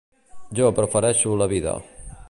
Jo prefereixo la vida.